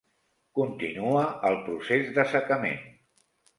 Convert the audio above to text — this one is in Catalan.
Continua el procés d'assecament.